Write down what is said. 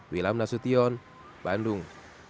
wilham nasution bandung